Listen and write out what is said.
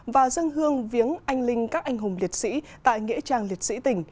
và dân hương viếng anh linh các anh hùng liệt sĩ tại nghĩa trang liệt sĩ tỉnh